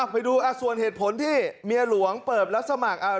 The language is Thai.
ไปดูส่วนเหตุผลที่เมียหลวงเปิดรับสมัคร